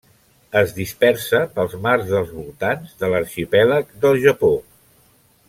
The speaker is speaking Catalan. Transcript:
Es dispersa pels mars dels voltants de l'arxipèlag del Japó.